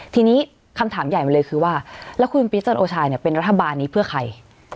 ทีนี้คำถามใหญ่มาเลยคือว่าแล้วคุณปีจันโอชาเป็นรัฐบาลนี้เพื่อใคร